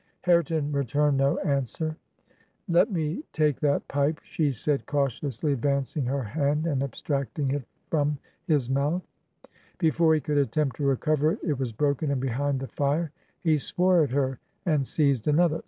Hareton returned no answer. ... 'Let 237 Digitized by VjOOQIC HEROINES OF FICTION me take that pipe/ she said, cautiously advancing her hand and abstracting it from his mouth. Before he could attempt to recover it, it was broken and behind the fire. He swore at her and seized another.